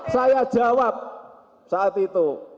saya jawab saat itu